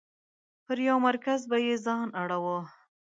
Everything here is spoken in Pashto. پر یو مرکز به یې ځان اړوه.